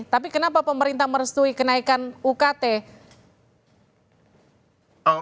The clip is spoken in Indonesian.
tapi kenapa pemerintah merestui kenaikan ukt